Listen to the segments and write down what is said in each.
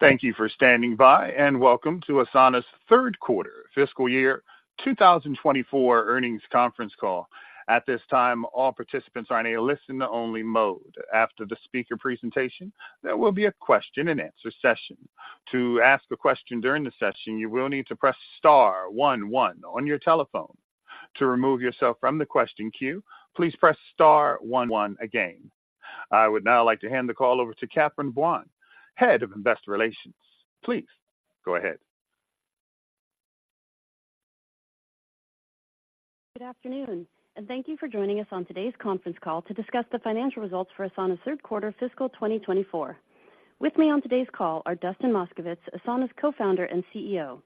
Thank you for standing by, and welcome to Asana's third quarter fiscal year 2024 earnings conference call. At this time, all participants are in a listen-only mode. After the speaker presentation, there will be a question-and-answer session. To ask a question during the session, you will need to press star one one on your telephone. To remove yourself from the question queue, please press star one one again. I would now like to hand the call over to Catherine Buan, Head of Investor Relations. Please go ahead. Good afternoon, and thank you for joining us on today's conference call to discuss the financial results for Asana's third quarter fiscal 2024. With me on today's call are Dustin Moskovitz, Asana's Co-founder and CEO,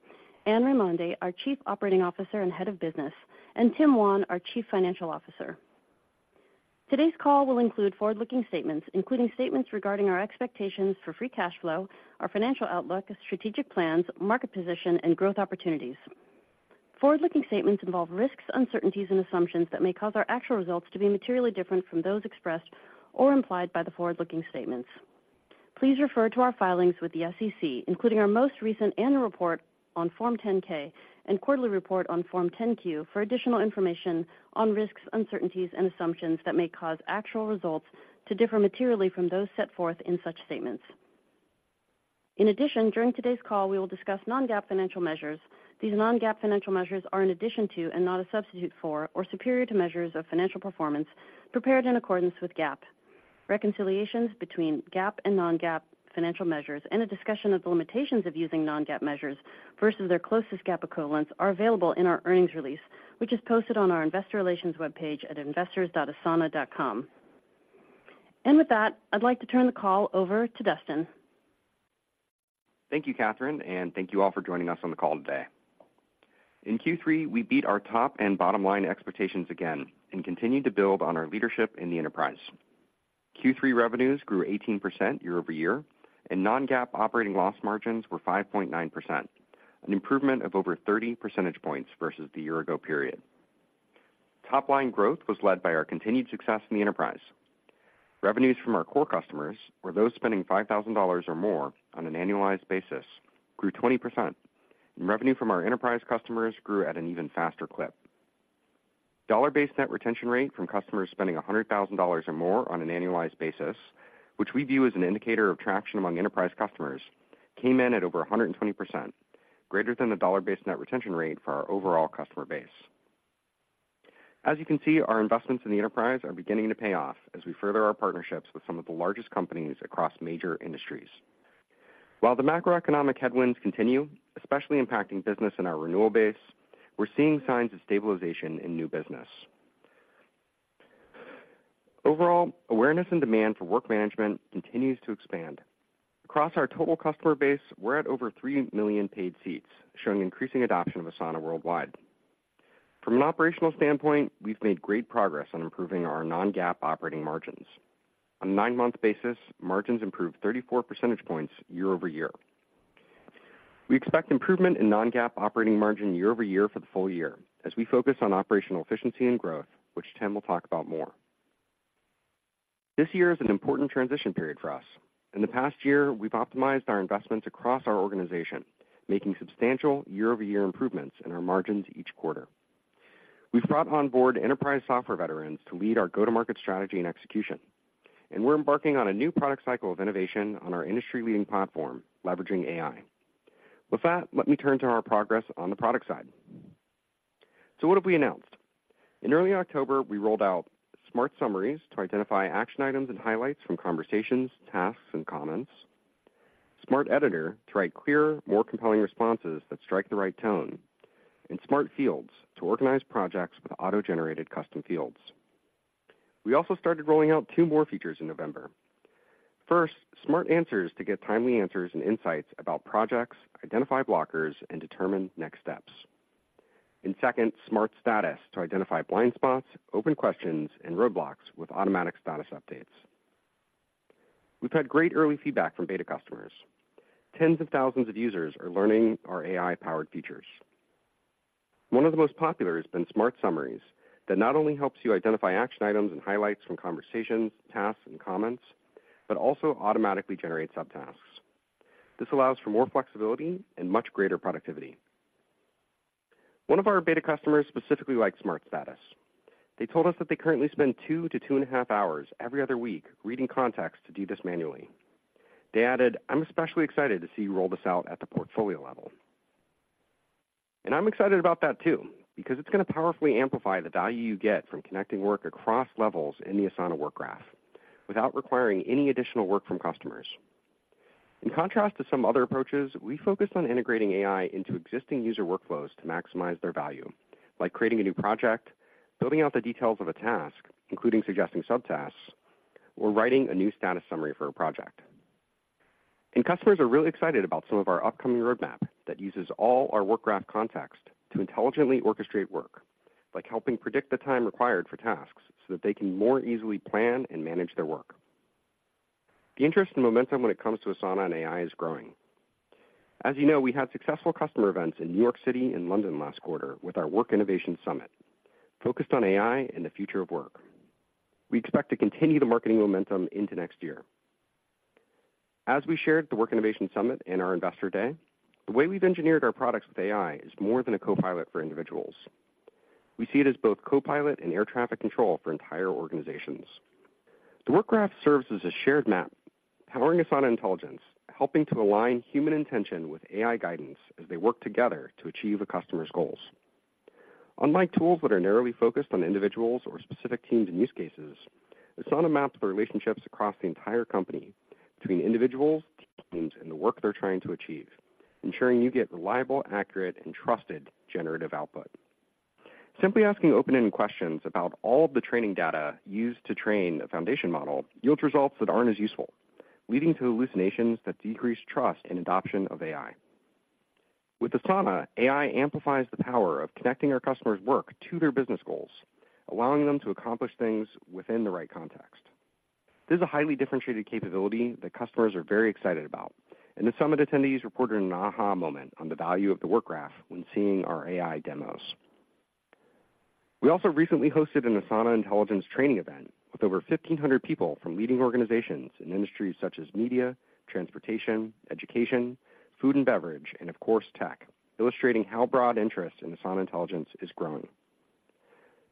Anne Raimondi, our Chief Operating Officer and Head of Business, and Tim Wan, our Chief Financial Officer. Today's call will include forward-looking statements, including statements regarding our expectations for free cash flow, our financial outlook, strategic plans, market position, and growth opportunities. Forward-looking statements involve risks, uncertainties, and assumptions that may cause our actual results to be materially different from those expressed or implied by the forward-looking statements. Please refer to our filings with the SEC, including our most recent annual report on Form 10-K and quarterly report on Form 10-Q, for additional information on risks, uncertainties and assumptions that may cause actual results to differ materially from those set forth in such statements. In addition, during today's call, we will discuss non-GAAP financial measures. These non-GAAP financial measures are in addition to and not a substitute for or superior to measures of financial performance prepared in accordance with GAAP. Reconciliations between GAAP and non-GAAP financial measures and a discussion of the limitations of using non-GAAP measures versus their closest GAAP equivalents are available in our earnings release, which is posted on our investor relations webpage at investors.asana.com. With that, I'd like to turn the call over to Dustin. Thank you, Catherine, and thank you all for joining us on the call today. In Q3, we beat our top and bottom line expectations again and continued to build on our leadership in the enterprise. Q3 revenues grew 18% year-over-year, and non-GAAP operating loss margins were 5.9%, an improvement of over 30 percentage points versus the year ago period. Top line growth was led by our continued success in the enterprise. Revenues from our core customers, or those spending $5,000 or more on an annualized basis, grew 20%, and revenue from our enterprise customers grew at an even faster clip. Dollar-based net retention rate from customers spending $100,000 or more on an annualized basis, which we view as an indicator of traction among enterprise customers, came in at over 120%, greater than the dollar-based net retention rate for our overall customer base. As you can see, our investments in the enterprise are beginning to pay off as we further our partnerships with some of the largest companies across major industries. While the macroeconomic headwinds continue, especially impacting business in our renewal base, we're seeing signs of stabilization in new business. Overall, awareness and demand for work management continues to expand. Across our total customer base, we're at over 3 million paid seats, showing increasing adoption of Asana worldwide. From an operational standpoint, we've made great progress on improving our non-GAAP operating margins. On a 9-month basis, margins improved 34 percentage points year-over-year. We expect improvement in non-GAAP operating margin year-over-year for the full year as we focus on operational efficiency and growth, which Tim will talk about more. This year is an important transition period for us. In the past year, we've optimized our investments across our organization, making substantial year-over-year improvements in our margins each quarter. We've brought on board enterprise software veterans to lead our go-to-market strategy and execution, and we're embarking on a new product cycle of innovation on our industry-leading platform, leveraging AI. With that, let me turn to our progress on the product side. What have we announced? In early October, we rolled out Smart Summaries to identify action items and highlights from conversations, tasks, and comments, Smart Editor to write clearer, more compelling responses that strike the right tone, and Smart Fields to organize projects with auto-generated custom fields. We also started rolling out two more features in November. First, Smart Answers to get timely answers and insights about projects, identify blockers, and determine next steps. And second, Smart Status to identify blind spots, open questions, and roadblocks with automatic status updates. We've had great early feedback from beta customers. Tens of thousands of users are learning our AI-powered features. One of the most popular has been Smart Summaries, that not only helps you identify action items and highlights from conversations, tasks, and comments, but also automatically generates subtasks. This allows for more flexibility and much greater productivity. One of our beta customers specifically liked Smart Status. They told us that they currently spend 2-2.5 hours every other week reading context to do this manually. They added: "I'm especially excited to see you roll this out at the portfolio level." And I'm excited about that too, because it's going to powerfully amplify the value you get from connecting work across levels in the Asana Work Graph without requiring any additional work from customers. In contrast to some other approaches, we focused on integrating AI into existing user workflows to maximize their value, like creating a new project, building out the details of a task, including suggesting subtasks, or writing a new status summary for a project. Customers are really excited about some of our upcoming roadmap that uses all our Work Graph context to intelligently orchestrate work, like helping predict the time required for tasks so that they can more easily plan and manage their work. The interest and momentum when it comes to Asana and AI is growing... As you know, we had successful customer events in New York City and London last quarter with our Work Innovation Summit, focused on AI and the future of work. We expect to continue the marketing momentum into next year. As we shared at the Work Innovation Summit and our Investor Day, the way we've engineered our products with AI is more than a copilot for individuals. We see it as both copilot and air traffic control for entire organizations. The Work Graph serves as a shared map, powering Asana Intelligence, helping to align human intention with AI guidance as they work together to achieve a customer's goals. Unlike tools that are narrowly focused on individuals or specific teams and use cases, Asana maps the relationships across the entire company between individuals, teams, and the work they're trying to achieve, ensuring you get reliable, accurate, and trusted generative output. Simply asking open-ended questions about all of the training data used to train a foundation model yields results that aren't as useful, leading to hallucinations that decrease trust and adoption of AI. With Asana, AI amplifies the power of connecting our customers' work to their business goals, allowing them to accomplish things within the right context. This is a highly differentiated capability that customers are very excited about, and the summit attendees reported an aha! moment on the value of the Work Graph when seeing our AI demos. We also recently hosted an Asana Intelligence training event with over 1,500 people from leading organizations in industries such as media, transportation, education, food and beverage, and of course, tech, illustrating how broad interest in Asana Intelligence is growing.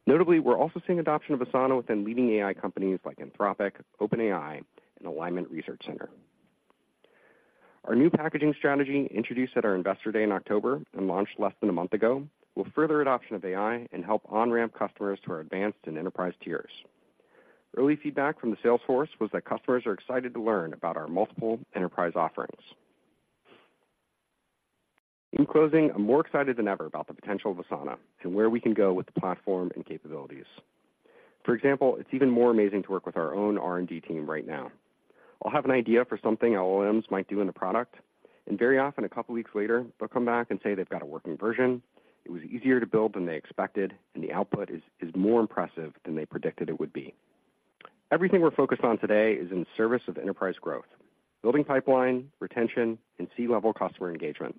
Notably, we're also seeing adoption of Asana within leading AI companies like Anthropic, OpenAI, and Alignment Research Center. Our new packaging strategy, introduced at our Investor Day in October and launched less than a month ago, will further adoption of AI and help on-ramp customers who are advanced in enterprise tiers. Early feedback from the sales force was that customers are excited to learn about our multiple enterprise offerings. In closing, I'm more excited than ever about the potential of Asana and where we can go with the platform and capabilities. For example, it's even more amazing to work with our own R&D team right now. I'll have an idea for something LLMs might do in the product, and very often, a couple weeks later, they'll come back and say they've got a working version, it was easier to build than they expected, and the output is more impressive than they predicted it would be. Everything we're focused on today is in service of enterprise growth, building pipeline, retention, and C-level customer engagement.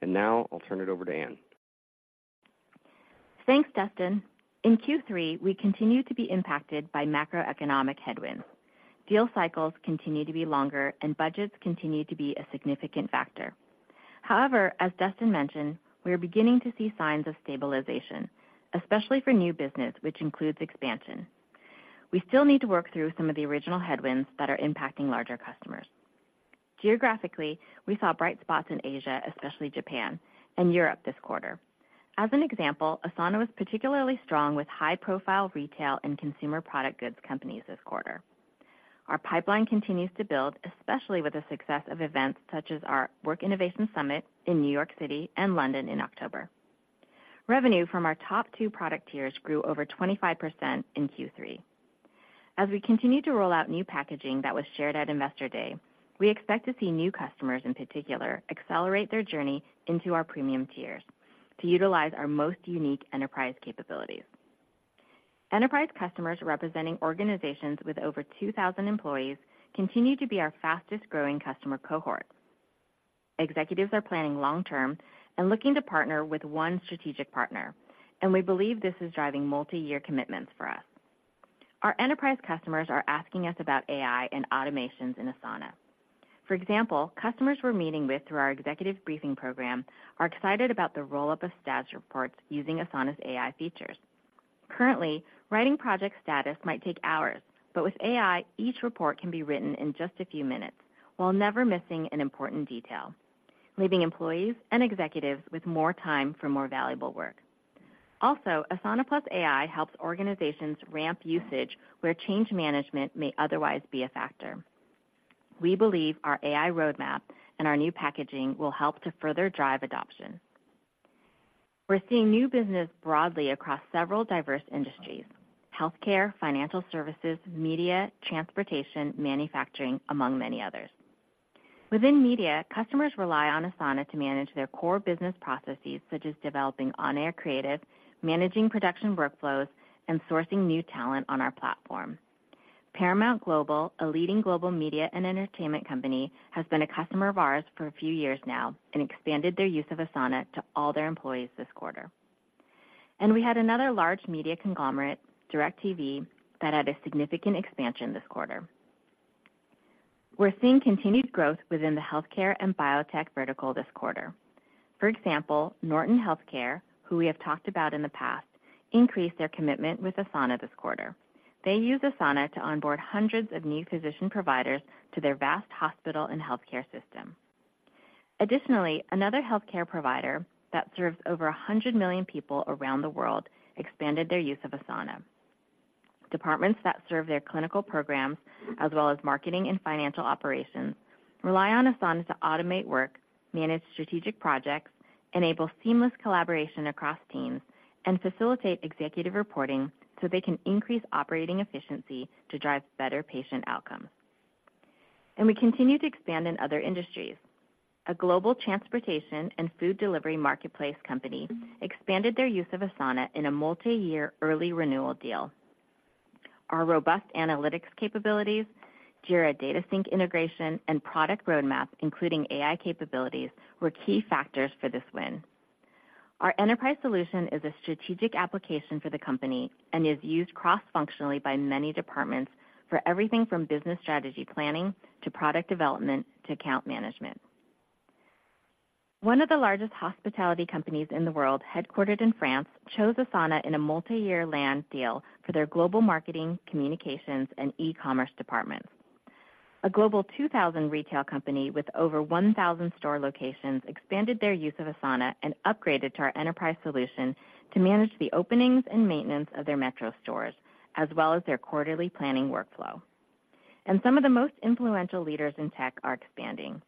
Now I'll turn it over to Anne. Thanks, Dustin. In Q3, we continued to be impacted by macroeconomic headwinds. Deal cycles continue to be longer, and budgets continue to be a significant factor. However, as Dustin mentioned, we are beginning to see signs of stabilization, especially for new business, which includes expansion. We still need to work through some of the original headwinds that are impacting larger customers. Geographically, we saw bright spots in Asia, especially Japan and Europe, this quarter. As an example, Asana was particularly strong with high-profile retail and consumer product goods companies this quarter. Our pipeline continues to build, especially with the success of events such as our Work Innovation Summit in New York City and London in October. Revenue from our top two product tiers grew over 25% in Q3. As we continue to roll out new packaging that was shared at Investor Day, we expect to see new customers, in particular, accelerate their journey into our premium tiers to utilize our most unique enterprise capabilities. Enterprise customers, representing organizations with over 2,000 employees, continue to be our fastest-growing customer cohort. Executives are planning long term and looking to partner with one strategic partner, and we believe this is driving multiyear commitments for us. Our enterprise customers are asking us about AI and automations in Asana. For example, customers we're meeting with through our executive briefing program are excited about the roll-up of status reports using Asana's AI features. Currently, writing project status might take hours, but with AI, each report can be written in just a few minutes while never missing an important detail, leaving employees and executives with more time for more valuable work. Also, Asana's product AI helps organizations ramp usage where change management may otherwise be a factor. We believe our AI roadmap and our new packaging will help to further drive adoption. We're seeing new business broadly across several diverse industries: healthcare, financial services, media, transportation, manufacturing, among many others. Within media, customers rely on Asana to manage their core business processes, such as developing on-air creative, managing production workflows, and sourcing new talent on our platform. Paramount Global, a leading global media and entertainment company, has been a customer of ours for a few years now and expanded their use of Asana to all their employees this quarter. We had another large media conglomerate, DirecTV, that had a significant expansion this quarter. We're seeing continued growth within the healthcare and biotech vertical this quarter. For example, Norton Healthcare, who we have talked about in the past, increased their commitment with Asana this quarter. They use Asana to onboard hundreds of new physician providers to their vast hospital and healthcare system. Additionally, another healthcare provider that serves over 100 million people around the world expanded their use of Asana. Departments that serve their clinical programs, as well as marketing and financial operations, rely on Asana to automate work, manage strategic projects, enable seamless collaboration across teams, and facilitate executive reporting so they can increase operating efficiency to drive better patient outcomes. We continue to expand in other industries. A global transportation and food delivery marketplace company expanded their use of Asana in a multiyear early renewal deal.... Our robust analytics capabilities, Jira data sync integration, and product roadmap, including AI capabilities, were key factors for this win. Our enterprise solution is a strategic application for the company and is used cross-functionally by many departments for everything from business strategy planning to product development to account management. One of the largest hospitality companies in the world, headquartered in France, chose Asana in a multi-year land deal for their global marketing, communications, and e-commerce departments. A Global 2000 retail company with over 1,000 store locations expanded their use of Asana and upgraded to our enterprise solution to manage the openings and maintenance of their metro stores, as well as their quarterly planning workflow. Some of the most influential leaders in tech are expanding.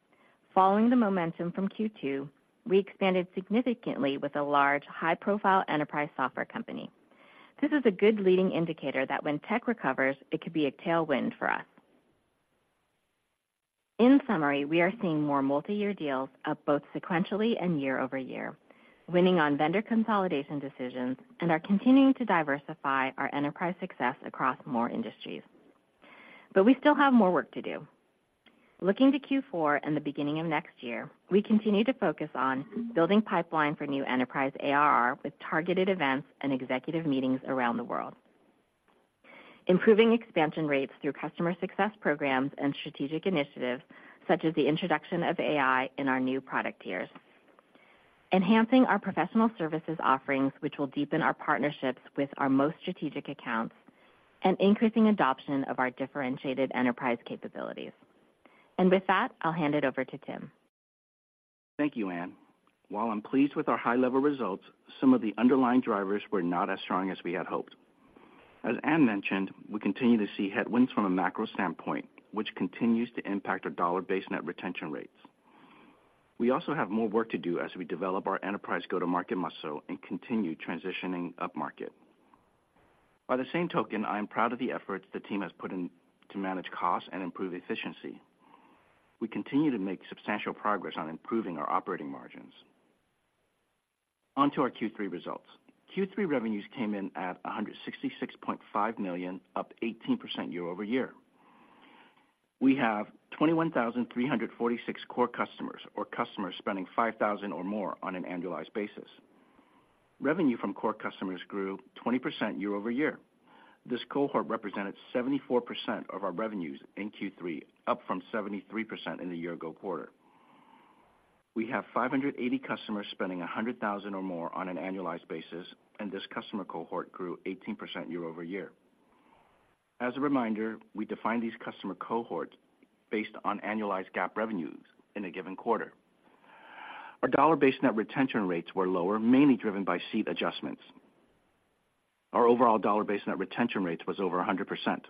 Following the momentum from Q2, we expanded significantly with a large, high-profile enterprise software company. This is a good leading indicator that when tech recovers, it could be a tailwind for us. In summary, we are seeing more multi-year deals up both sequentially and year-over-year, winning on vendor consolidation decisions and are continuing to diversify our enterprise success across more industries. But we still have more work to do. Looking to Q4 and the beginning of next year, we continue to focus on building pipeline for new enterprise ARR with targeted events and executive meetings around the world. Improving expansion rates through customer success programs and strategic initiatives, such as the introduction of AI in our new product tiers. Enhancing our professional services offerings, which will deepen our partnerships with our most strategic accounts, and increasing adoption of our differentiated enterprise capabilities. And with that, I'll hand it over to Tim. Thank you, Anne. While I'm pleased with our high-level results, some of the underlying drivers were not as strong as we had hoped. As Anne mentioned, we continue to see headwinds from a macro standpoint, which continues to impact our dollar-based net retention rates. We also have more work to do as we develop our enterprise go-to-market muscle and continue transitioning upmarket. By the same token, I am proud of the efforts the team has put in to manage costs and improve efficiency. We continue to make substantial progress on improving our operating margins. On to our Q3 results. Q3 revenues came in at $166.5 million, up 18% year-over-year. We have 21,346 core customers, or customers spending $5,000 or more on an annualized basis. Revenue from core customers grew 20% year-over-year. This cohort represented 74% of our revenues in Q3, up from 73% in the year-ago quarter. We have 580 customers spending $100,000 or more on an annualized basis, and this customer cohort grew 18% year-over-year. As a reminder, we define these customer cohorts based on annualized GAAP revenues in a given quarter. Our dollar-based net retention rates were lower, mainly driven by seat adjustments. Our overall dollar-based net retention rates was over 100%.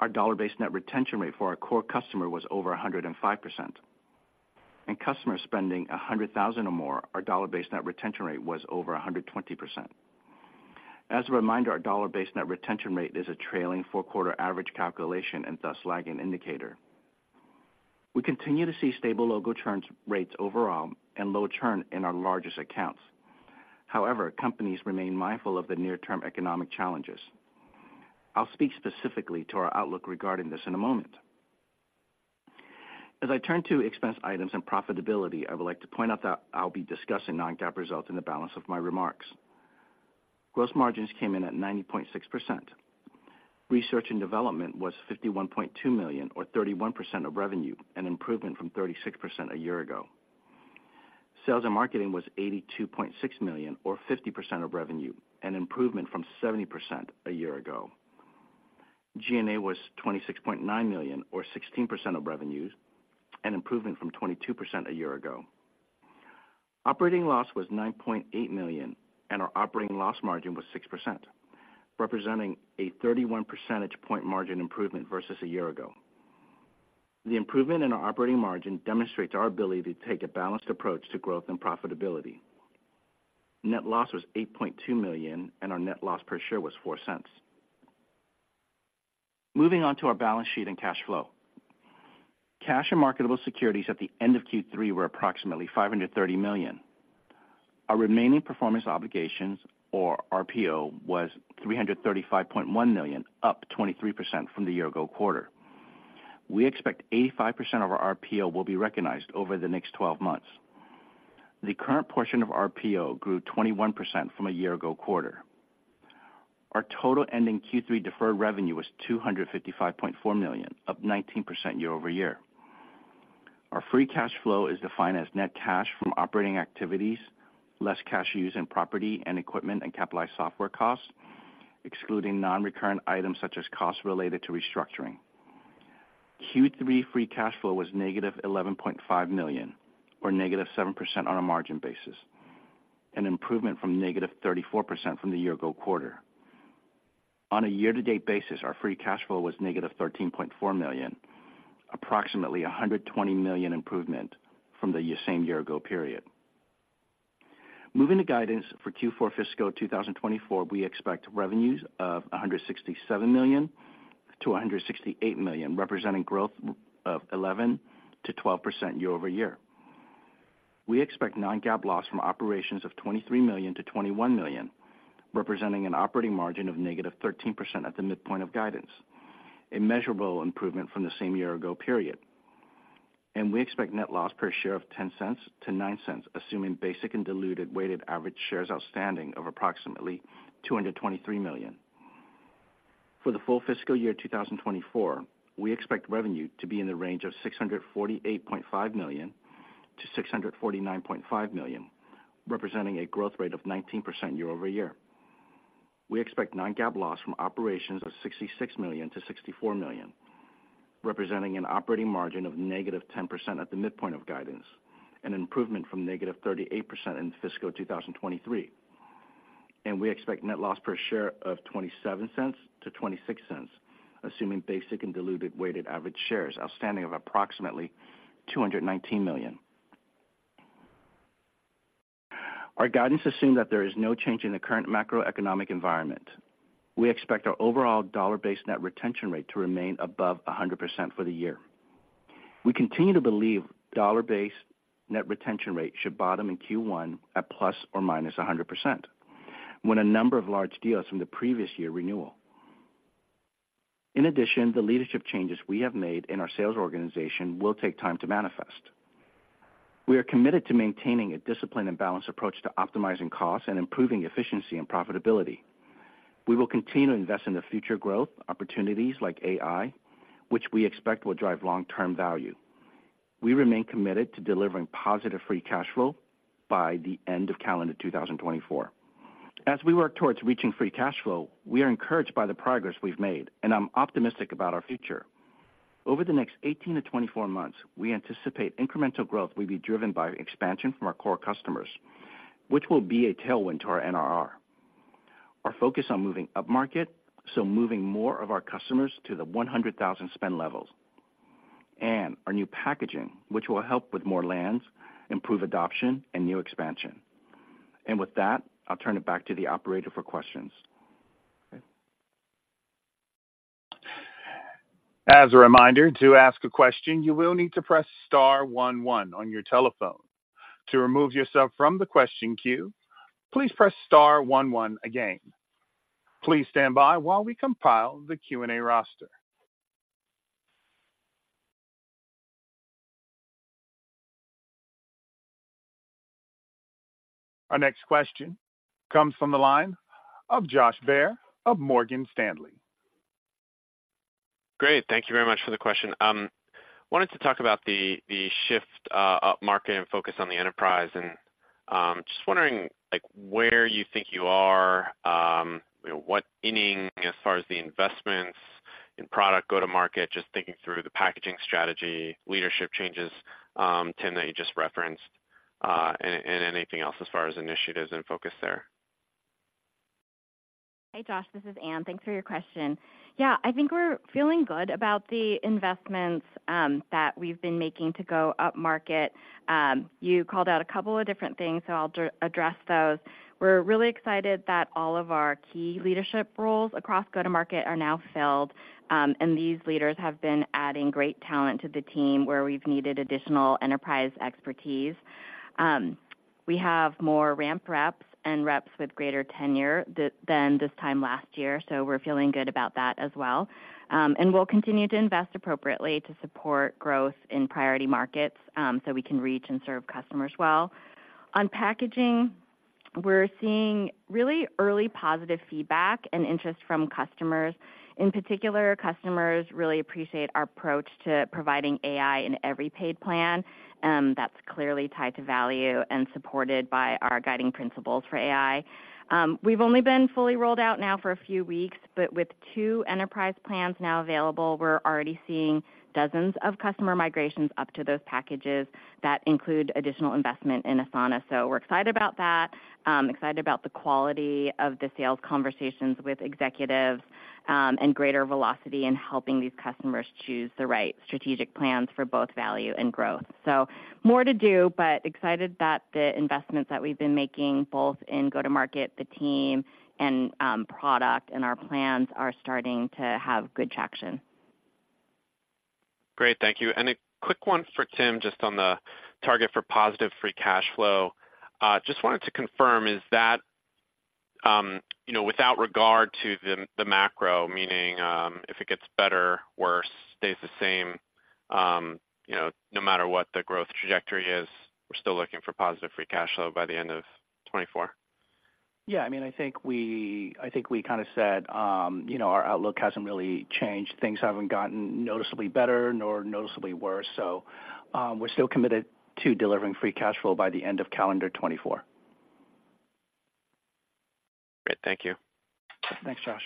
Our dollar-based net retention rate for our core customer was over 105%. In customers spending $100,000 or more, our dollar-based net retention rate was over 120%. As a reminder, our dollar-based net retention rate is a trailing four-quarter average calculation and thus lagging indicator. We continue to see stable logo churn rates overall and low churn in our largest accounts. However, companies remain mindful of the near-term economic challenges. I'll speak specifically to our outlook regarding this in a moment. As I turn to expense items and profitability, I would like to point out that I'll be discussing non-GAAP results in the balance of my remarks. Gross margins came in at 90.6%. Research and development was $51.2 million, or 31% of revenue, an improvement from 36% a year ago. Sales and marketing was $82.6 million, or 50% of revenue, an improvement from 70% a year ago. G&A was $26.9 million, or 16% of revenues, an improvement from 22% a year ago. Operating loss was $9.8 million, and our operating loss margin was 6%, representing a 31 percentage point margin improvement versus a year ago. The improvement in our operating margin demonstrates our ability to take a balanced approach to growth and profitability. Net loss was $8.2 million, and our net loss per share was $0.04. Moving on to our balance sheet and cash flow. Cash and marketable securities at the end of Q3 were approximately $530 million. Our remaining performance obligations, or RPO, was $335.1 million, up 23% from the year-ago quarter. We expect 85% of our RPO will be recognized over the next twelve months. The current portion of RPO grew 21% from a year-ago quarter. Our total ending Q3 deferred revenue was $255.4 million, up 19% year-over-year. Our free cash flow is defined as net cash from operating activities, less cash used in property and equipment and capitalized software costs, excluding non-recurrent items such as costs related to restructuring. Q3 free cash flow was negative $11.5 million, or negative 7% on a margin basis, an improvement from negative 34% from the year-ago quarter. On a year-to-date basis, our free cash flow was negative $13.4 million, approximately $120 million improvement from the same year-ago period. Moving to guidance for Q4 fiscal 2024, we expect revenues of $167 million-$168 million, representing growth of 11%-12% year-over-year.... We expect non-GAAP loss from operations of $23 million-$21 million, representing an operating margin of -13% at the midpoint of guidance, a measurable improvement from the same year ago period. We expect net loss per share of $0.10-$0.09, assuming basic and diluted weighted average shares outstanding of approximately 223 million. For the full fiscal year 2024, we expect revenue to be in the range of $648.5 million-$649.5 million, representing a growth rate of 19% year-over-year. We expect non-GAAP loss from operations of $66 million-$64 million, representing an operating margin of -10% at the midpoint of guidance, an improvement from -38% in fiscal 2023. We expect net loss per share of $0.27-$0.26, assuming basic and diluted weighted average shares outstanding of approximately 219 million. Our guidance assumes that there is no change in the current macroeconomic environment. We expect our overall dollar-based net retention rate to remain above 100% for the year. We continue to believe dollar-based net retention rate should bottom in Q1 at ±100%, when a number of large deals from the previous year renewal. In addition, the leadership changes we have made in our sales organization will take time to manifest. We are committed to maintaining a disciplined and balanced approach to optimizing costs and improving efficiency and profitability. We will continue to invest in the future growth opportunities like AI, which we expect will drive long-term value. We remain committed to delivering positive free cash flow by the end of calendar 2024. As we work towards reaching free cash flow, we are encouraged by the progress we've made, and I'm optimistic about our future. Over the next 18-24 months, we anticipate incremental growth will be driven by expansion from our core customers, which will be a tailwind to our NRR. Our focus on moving upmarket, so moving more of our customers to the 100,000 spend levels, and our new packaging, which will help with more lands, improve adoption, and new expansion. With that, I'll turn it back to the operator for questions. As a reminder, to ask a question, you will need to press star one, one on your telephone. To remove yourself from the question queue, please press star one, one again. Please stand by while we compile the Q&A roster. Our next question comes from the line of Josh Baer of Morgan Stanley. Great. Thank you very much for the question. Wanted to talk about the shift upmarket and focus on the enterprise. And just wondering, like, where you think you are, you know, what inning as far as the investments in product go-to-market, just thinking through the packaging strategy, leadership changes, Tim, that you just referenced, and anything else as far as initiatives and focus there? Hey, Josh, this is Anne. Thanks for your question. Yeah, I think we're feeling good about the investments that we've been making to go upmarket. You called out a couple of different things, so I'll address those. We're really excited that all of our key leadership roles across go-to-market are now filled, and these leaders have been adding great talent to the team where we've needed additional enterprise expertise. We have more ramp reps and reps with greater tenure than this time last year, so we're feeling good about that as well. And we'll continue to invest appropriately to support growth in priority markets, so we can reach and serve customers well. On packaging, we're seeing really early positive feedback and interest from customers. In particular, customers really appreciate our approach to providing AI in every paid plan, that's clearly tied to value and supported by our guiding principles for AI. We've only been fully rolled out now for a few weeks, but with two enterprise plans now available, we're already seeing dozens of customer migrations up to those packages that include additional investment in Asana. So we're excited about that, excited about the quality of the sales conversations with executives, and greater velocity in helping these customers choose the right strategic plans for both value and growth. So more to do, but excited that the investments that we've been making, both in go-to-market, the team, and product, and our plans are starting to have good traction. Great. Thank you. And a quick one for Tim, just on the target for positive free cash flow. Just wanted to confirm, is that, you know, without regard to the macro, meaning, if it gets better, worse, stays the same, you know, no matter what the growth trajectory is, we're still looking for positive free cash flow by the end of 2024? Yeah, I mean, I think we kind of said, you know, our outlook hasn't really changed. Things haven't gotten noticeably better nor noticeably worse, so, we're still committed to delivering free cash flow by the end of calendar 2024. Great. Thank you. Thanks, Josh.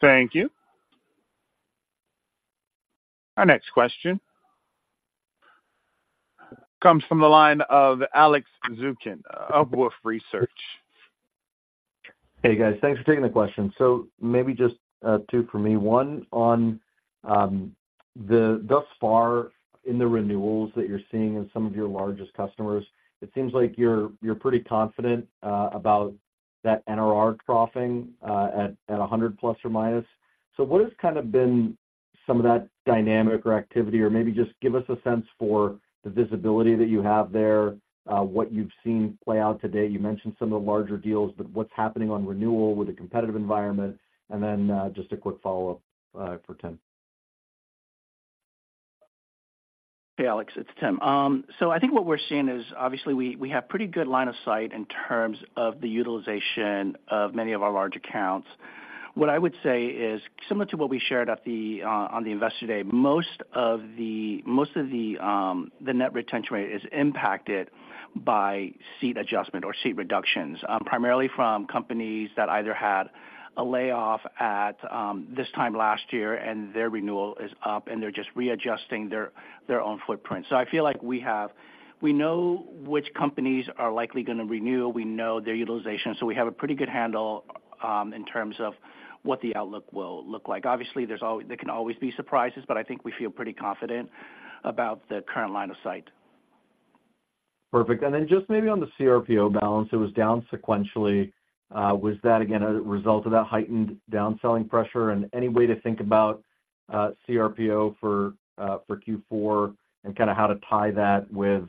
Thank you. Our next question comes from the line of Alex Zukin of Wolfe Research. Hey, guys. Thanks for taking the question. So maybe just two for me. One on the thus far in the renewals that you're seeing in some of your largest customers, it seems like you're pretty confident about that NRR troughing at 100 ±. So what has kind of been some of that dynamic or activity, or maybe just give us a sense for the visibility that you have there, what you've seen play out today. You mentioned some of the larger deals, but what's happening on renewal with the competitive environment? And then, just a quick follow-up, for Tim. Hey, Alex, it's Tim. So I think what we're seeing is, obviously, we have pretty good line of sight in terms of the utilization of many of our large accounts. What I would say is, similar to what we shared at the on the Investor Day, most of the net retention rate is impacted by seat adjustment or seat reductions, primarily from companies that either had a layoff at this time last year and their renewal is up, and they're just readjusting their own footprint. So I feel like we have. We know which companies are likely gonna renew, we know their utilization, so we have a pretty good handle in terms of what the outlook will look like. Obviously, there can always be surprises, but I think we feel pretty confident about the current line of sight. Perfect. And then just maybe on the CRPO balance, it was down sequentially. Was that, again, a result of that heightened down selling pressure? And any way to think about CRPO for Q4, and kind of how to tie that with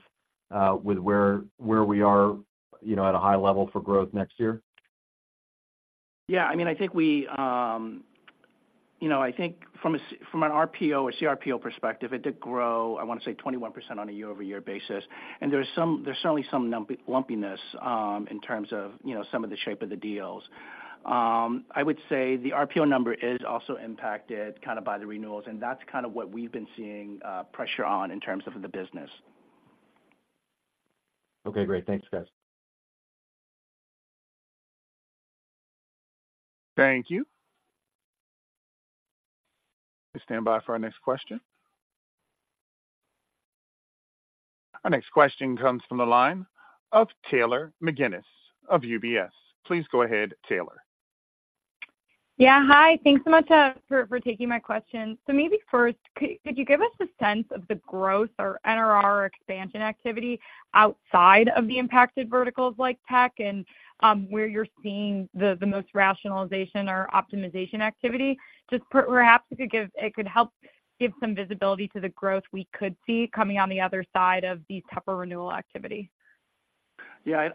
where we are, you know, at a high level for growth next year? Yeah, I mean, I think we, you know, I think from an RPO or CRPO perspective, it did grow, I wanna say, 21% on a year-over-year basis. And there's some—there's certainly some lumpiness in terms of, you know, some of the shape of the deals. I would say the RPO number is also impacted kind of by the renewals, and that's kind of what we've been seeing, pressure on in terms of the business. Okay, great. Thanks, guys. Thank you. Please stand by for our next question. Our next question comes from the line of Taylor McGinnis of UBS. Please go ahead, Taylor. Yeah, hi. Thanks so much for taking my question. So maybe first, could you give us a sense of the growth or NRR expansion activity outside of the impacted verticals like tech, and where you're seeing the most rationalization or optimization activity? Just perhaps it could help give some visibility to the growth we could see coming on the other side of the tougher renewal activity. Yeah,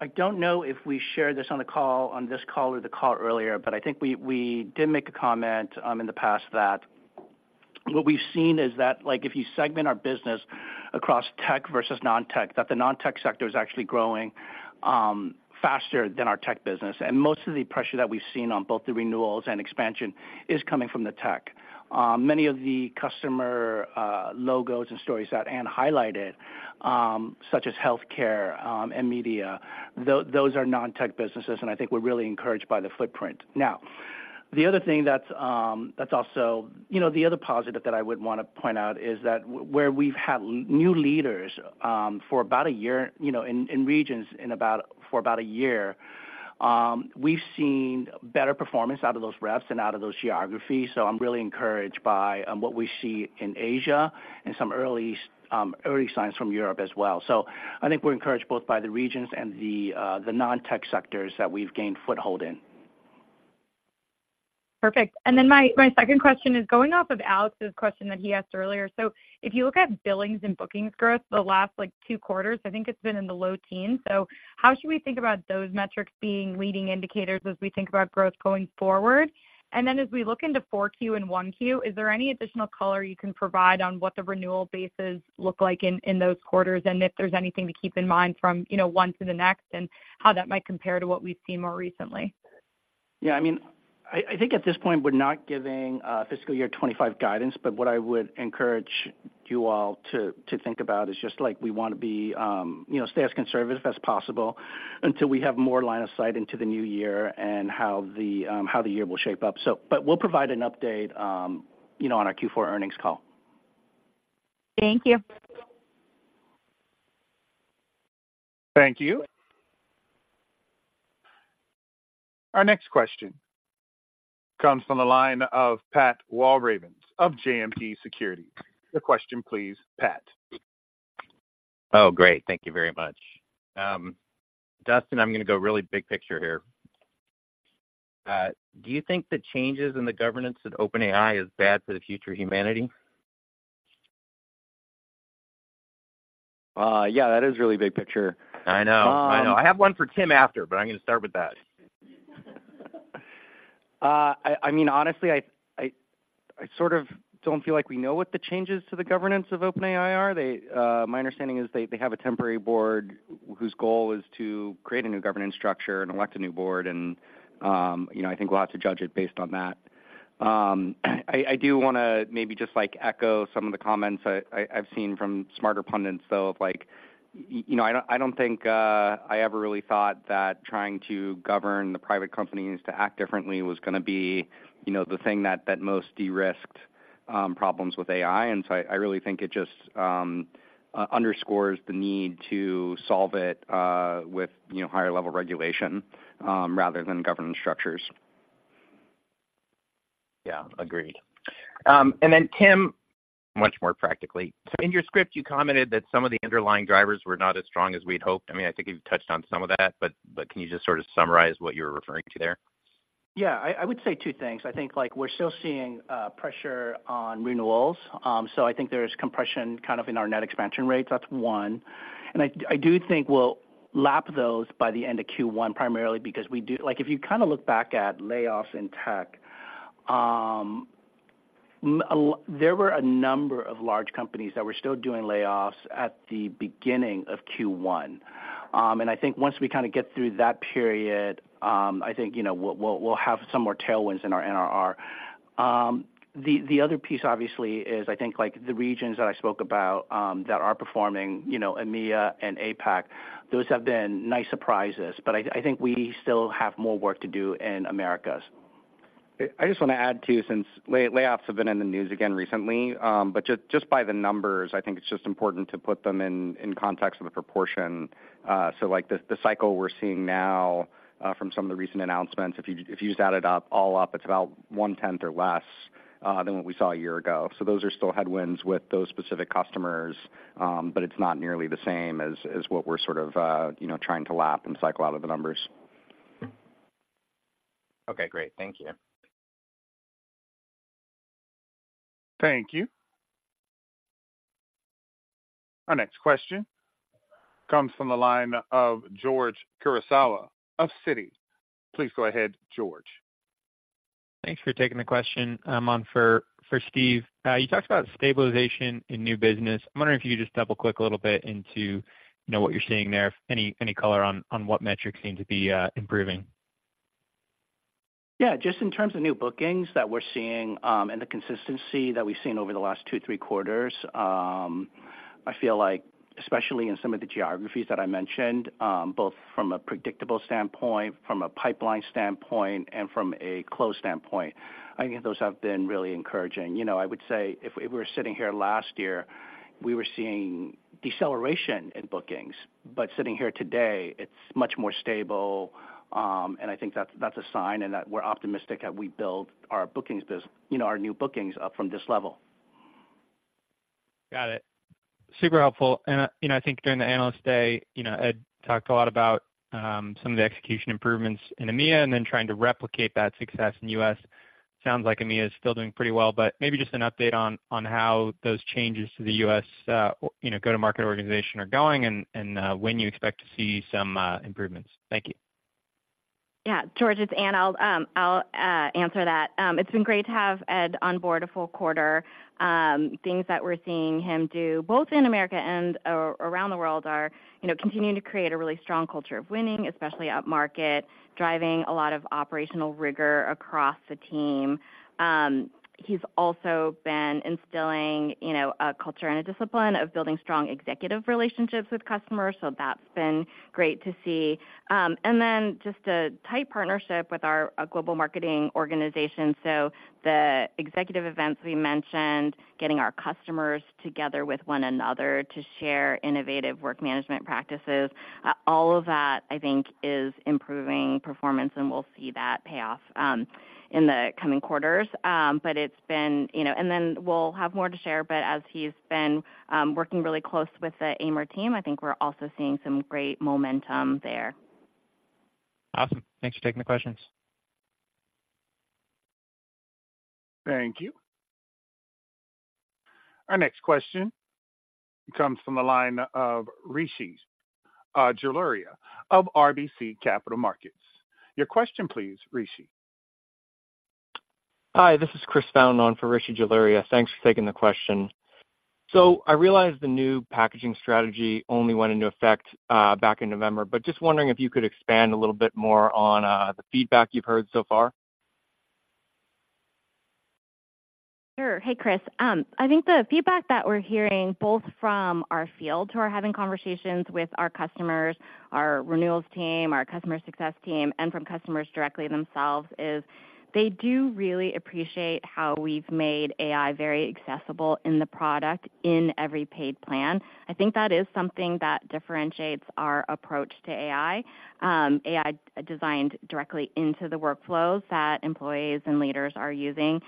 I don't know if we shared this on the call, on this call or the call earlier, but I think we did make a comment in the past that what we've seen is that, like, if you segment our business across tech versus non-tech, that the non-tech sector is actually growing faster than our tech business. And most of the pressure that we've seen on both the renewals and expansion is coming from the tech. Many of the customer logos and stories that Anne highlighted, such as healthcare and media, those are non-tech businesses, and I think we're really encouraged by the footprint. Now, the other thing that's also... You know, the other positive that I would wanna point out is that where we've had new leaders, for about a year, you know, in regions, for about a year, we've seen better performance out of those reps and out of those geographies. So I'm really encouraged by what we see in Asia and some early, early signs from Europe as well. So I think we're encouraged both by the regions and the non-tech sectors that we've gained foothold in. Perfect. And then my second question is going off of Alex's question that he asked earlier. So if you look at billings and bookings growth, the last, like, two quarters, I think it's been in the low teens. So how should we think about those metrics being leading indicators as we think about growth going forward? And then as we look into Q4 and Q1, is there any additional color you can provide on what the renewal bases look like in those quarters? And if there's anything to keep in mind from, you know, one to the next, and how that might compare to what we've seen more recently. Yeah, I mean, I think at this point, we're not giving fiscal year 2025 guidance, but what I would encourage you all to think about is just, like, we wanna be, you know, stay as conservative as possible until we have more line of sight into the new year and how the year will shape up. So, but we'll provide an update, you know, on our Q4 earnings call. Thank you. Thank you. Our next question comes from the line of Pat Walravens of JMP Securities. The question, please, Pat. Oh, great. Thank you very much. Dustin, I'm gonna go really big picture here. Do you think the changes in the governance at OpenAI is bad for the future of humanity? Yeah, that is really big picture. I know. Um. I know. I have one for Tim after, but I'm gonna start with that. I mean, honestly, I sort of don't feel like we know what the changes to the governance of OpenAI are. They. My understanding is they have a temporary board whose goal is to create a new governance structure and elect a new board, and, you know, I think we'll have to judge it based on that. I do wanna maybe just, like, echo some of the comments I've seen from smarter pundits, though, of like, you know, I don't think I ever really thought that trying to govern the private companies to act differently was gonna be, you know, the thing that most de-risked problems with AI. And so I really think it just underscores the need to solve it with, you know, higher level regulation rather than governance structures. Yeah, agreed. And then Tim. Much more practically. So in your script, you commented that some of the underlying drivers were not as strong as we'd hoped. I mean, I think you've touched on some of that, but, but can you just sort of summarize what you were referring to there? Yeah, I, I would say two things. I think, like, we're still seeing pressure on renewals. So I think there is compression kind of in our net expansion rates. That's one. And I, I do think we'll lap those by the end of Q1, primarily because we do-- Like, if you kind of look back at layoffs in tech, there were a number of large companies that were still doing layoffs at the beginning of Q1. And I think once we kind of get through that period, I think, you know, we'll, we'll, we'll have some more tailwinds in our NRR. The other piece, obviously, is I think, like, the regions that I spoke about, that are performing, you know, EMEA and APAC, those have been nice surprises, but I think we still have more work to do in Americas. I just wanna add, too, since layoffs have been in the news again recently, but just by the numbers, I think it's just important to put them in context of the proportion. So, like, the cycle we're seeing now from some of the recent announcements, if you just add it up, all up, it's about one tenth or less than what we saw a year ago. So those are still headwinds with those specific customers, but it's not nearly the same as what we're sort of, you know, trying to lap and cycle out of the numbers. Okay, great. Thank you. Thank you. Our next question comes from the line of George Iwanyc of Citi. Please go ahead, George. Thanks for taking the question. On for Steve, you talked about stabilization in new business. I'm wondering if you could just double-click a little bit into, you know, what you're seeing there. Any color on what metrics seem to be improving? Yeah, just in terms of new bookings that we're seeing, and the consistency that we've seen over the last two, three quarters, I feel like especially in some of the geographies that I mentioned, both from a predictable standpoint, from a pipeline standpoint, and from a close standpoint, I think those have been really encouraging. You know, I would say if we were sitting here last year, we were seeing deceleration in bookings, but sitting here today, it's much more stable, and I think that's, that's a sign and that we're optimistic that we build our bookings bus-- you know, our new bookings up from this level. Got it. Super helpful. And, you know, I think during the Analyst Day, you know, Ed talked a lot about some of the execution improvements in EMEA and then trying to replicate that success in U.S. Sounds like EMEA is still doing pretty well, but maybe just an update on how those changes to the U.S., you know, go-to-market organization are going and when you expect to see some improvements. Thank you. Yeah, George, it's Anne. I'll answer that. It's been great to have Ed on board a full quarter. Things that we're seeing him do, both in America and around the world, are, you know, continuing to create a really strong culture of winning, especially upmarket, driving a lot of operational rigor across the team. He's also been instilling, you know, a culture and a discipline of building strong executive relationships with customers, so that's been great to see. And then just a tight partnership with our global marketing organization. So the executive events we mentioned, getting our customers together with one another to share innovative work management practices, all of that, I think, is improving performance, and we'll see that pay off in the coming quarters. But it's been... You know, and then we'll have more to share, but as he's been working really close with the AMR team, I think we're also seeing some great momentum there. Awesome. Thanks for taking the questions. Thank you. Our next question comes from the line of Rishi Jaluria of RBC Capital Markets. Your question please, Rishi. Hi, this is Chris, on for Rishi Jaluria. Thanks for taking the question. So I realize the new packaging strategy only went into effect back in November, but just wondering if you could expand a little bit more on the feedback you've heard so far. Sure. Hey, Chris. I think the feedback that we're hearing, both from our field, who are having conversations with our customers, our renewals team, our customer success team, and from customers directly themselves, is they do really appreciate how we've made AI very accessible in the product in every paid plan. I think that is something that differentiates our approach to AI. AI designed directly into the workflows that employees and leaders are using.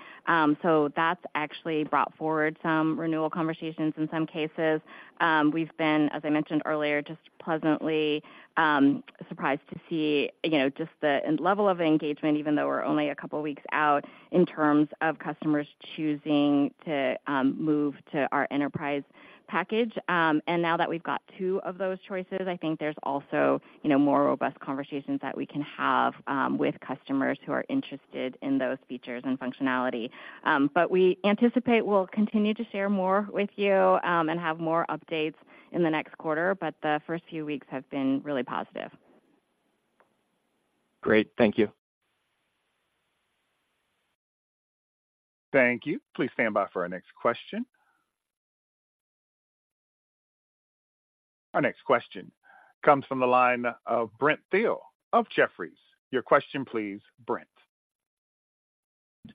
So that's actually brought forward some renewal conversations in some cases. We've been, as I mentioned earlier, just pleasantly surprised to see, you know, just the level of engagement, even though we're only a couple weeks out, in terms of customers choosing to move to our enterprise package. And now that we've got two of those choices, I think there's also, you know, more robust conversations that we can have with customers who are interested in those features and functionality. But we anticipate we'll continue to share more with you and have more updates in the next quarter, but the first few weeks have been really positive. Great. Thank you. Thank you. Please stand by for our next question. Our next question comes from the line of Brent Thill of Jefferies. Your question, please, Brent.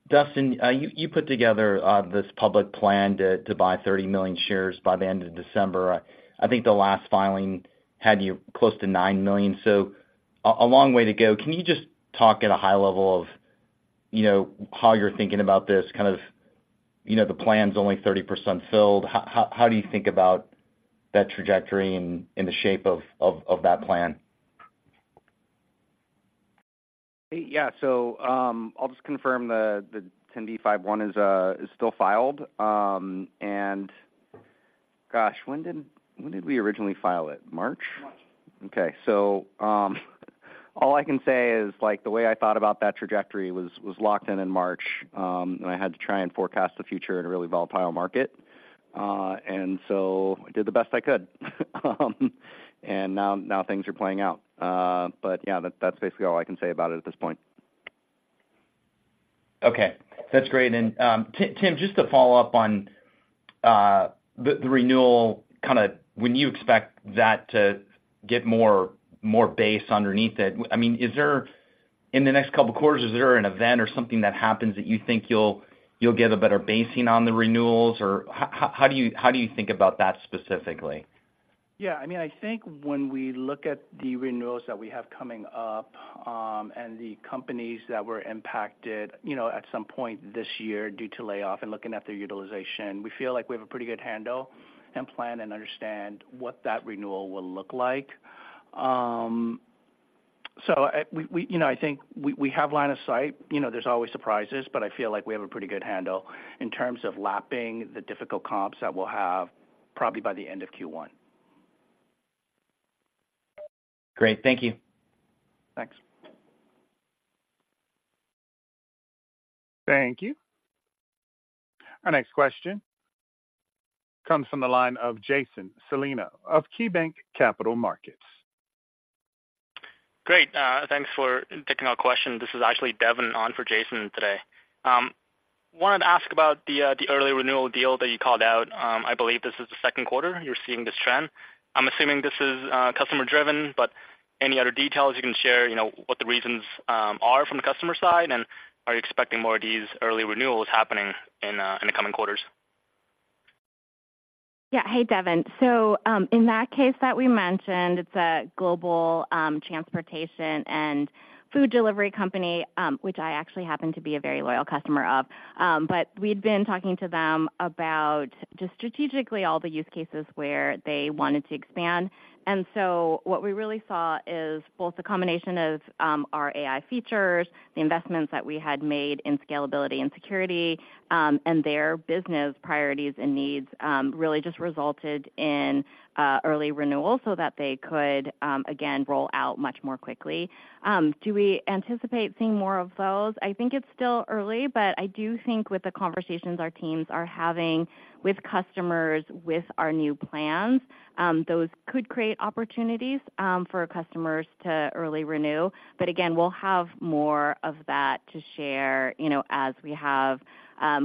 Dustin, you put together this public plan to buy 30 million shares by the end of December. I think the last filing had you close to 9 million. So a, a long way to go. Can you just talk at a high level of, you know, how you're thinking about this? Kind of, you know, the plan's only 30% filled. How do you think about that trajectory and the shape of that plan? Yeah. So, I'll just confirm the 10b5-1 is still filed. And gosh, when did we originally file it? March? March. Okay. So, all I can say is, like, the way I thought about that trajectory was locked in in March, and I had to try and forecast the future in a really volatile market. And so I did the best I could. And now, things are playing out. But yeah, that's basically all I can say about it at this point. Okay. That's great. And, Tim, just to follow up on the renewal, kinda when you expect that to get more base underneath it. I mean, is there in the next couple of quarters, is there an event or something that happens that you think you'll get a better basing on the renewals? Or how do you think about that specifically? Yeah, I mean, I think when we look at the renewals that we have coming up, and the companies that were impacted, you know, at some point this year due to layoff and looking at their utilization, we feel like we have a pretty good handle and plan and understand what that renewal will look like. So we, we, you know, I think we have line of sight. You know, there's always surprises, but I feel like we have a pretty good handle in terms of lapping the difficult comps that we'll have, probably by the end of Q1. Great. Thank you. Thanks. Thank you. Our next question comes from the line of Jason Celino of KeyBanc Capital Markets. Great, thanks for taking our question. This is actually Devin, on for Jason today. Wanted to ask about the early renewal deal that you called out. I believe this is the second quarter you're seeing this trend. I'm assuming this is customer driven, but any other details you can share, you know, what the reasons are from the customer side? And are you expecting more of these early renewals happening in the coming quarters? Yeah. Hey, Devin. So, in that case that we mentioned, it's a global transportation and food delivery company, which I actually happen to be a very loyal customer of. But we'd been talking to them about just strategically, all the use cases where they wanted to expand. And so what we really saw is both a combination of our AI features, the investments that we had made in scalability and security, and their business priorities and needs really just resulted in early renewals so that they could again, roll out much more quickly. Do we anticipate seeing more of those? I think it's still early, but I do think with the conversations our teams are having with customers, with our new plans, those could create opportunities for customers to early renew. But again, we'll have more of that to share, you know, as we have,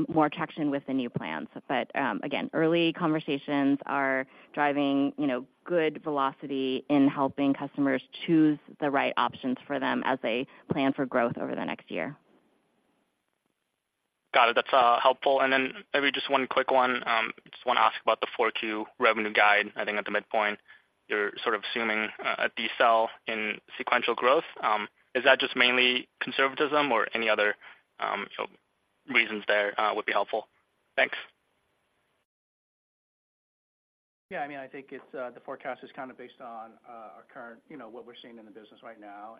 more traction with the new plans. But, again, early conversations are driving, you know, good velocity in helping customers choose the right options for them as they plan for growth over the next year. Got it. That's helpful. And then maybe just one quick one. Just wanna ask about the Q4 revenue guide. I think at the midpoint, you're sort of assuming a decel in sequential growth. Is that just mainly conservatism or any other reasons there would be helpful? Thanks. Yeah, I mean, I think the forecast is kind of based on our current, you know, what we're seeing in the business right now.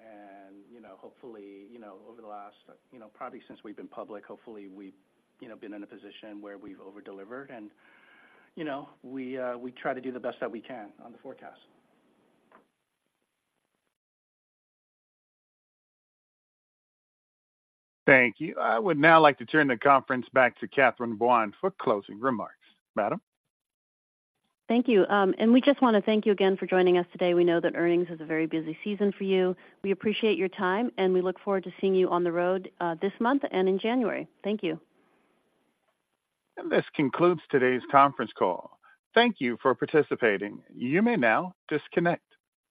You know, hopefully, you know, over the last, you know, probably since we've been public, hopefully we've, you know, been in a position where we've over-delivered and, you know, we try to do the best that we can on the forecast. Thank you. I would now like to turn the conference back to Catherine Buan for closing remarks. Madam? Thank you. We just wanna thank you again for joining us today. We know that earnings is a very busy season for you. We appreciate your time, and we look forward to seeing you on the road, this month and in January. Thank you. This concludes today's conference call. Thank you for participating. You may now disconnect.